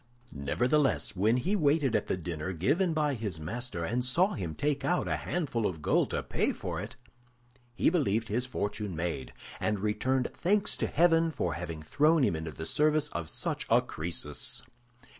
Nevertheless, when he waited at the dinner given by his master, and saw him take out a handful of gold to pay for it, he believed his fortune made, and returned thanks to heaven for having thrown him into the service of such a Crœsus.